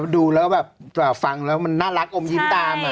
ดูแล้วแบบฟังแล้วมันน่ารักอมยิ้มตาม